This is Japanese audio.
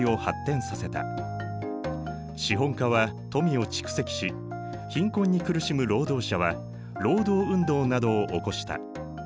資本家は富を蓄積し貧困に苦しむ労働者は労働運動などを起こした。